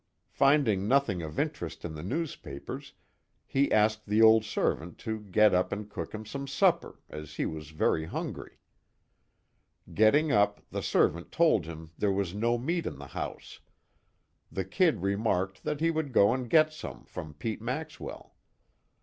Finding nothing of interest in the newspapers, he asked the old servant to get up and cook him some supper, as he was very hungry. Getting up, the servant told him there was no meat in the house. The "Kid" remarked that he would go and get some from Pete Maxwell.